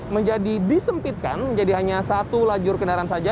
menjadi disempitkan menjadi hanya satu lajur kendaraan saja